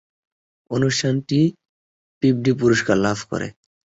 অনুষ্ঠানটি পিবডি পুরস্কার লাভ করে।